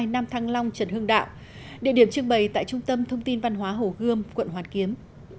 nam thăng long trần hương đạo địa điểm trưng bày tại trung tâm thông tin văn hóa hồ gươm quận hoàn kiếm